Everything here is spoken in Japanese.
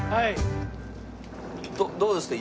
どうですか？